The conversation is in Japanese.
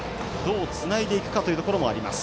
どうつないでいくかというところもあります。